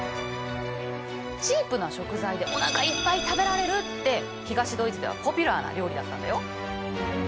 チープな食材でおなかいっぱい食べられるって東ドイツではポピュラーな料理だったんだよ。